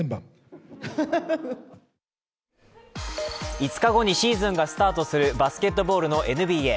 ５日後にシーズンがスタートするバスケットボールのＮＢＡ。